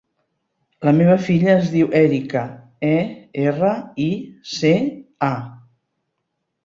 La meva filla es diu Erica: e, erra, i, ce, a.